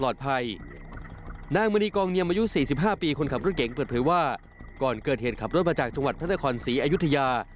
จังหวัดพระราคอนศีอายุธยา